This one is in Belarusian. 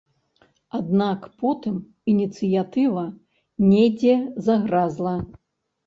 Аднак потым ініцыятыва недзе загразла.